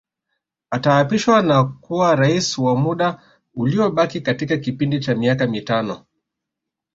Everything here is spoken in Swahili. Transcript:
Ataapishwa na kuwa Rais wa muda uliobakia katika kipindi cha miaka mitano